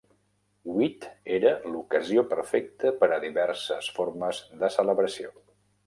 Whit era l"ocasió perfecta per a diverses formes de celebració.